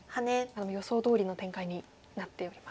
予想どおりの展開になっておりますね。